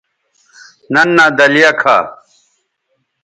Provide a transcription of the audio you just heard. ننھا دلیہ کھا